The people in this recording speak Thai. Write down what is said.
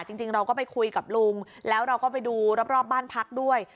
จริงเราก็ไปคุยกับลุงแล้วเราก็ไปดูรอบบ้านพักด้วย